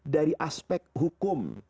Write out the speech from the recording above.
dari aspek hukum